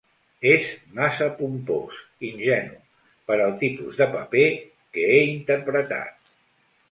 És massa pompós, ingenu, per al tipus de paper que he interpretat.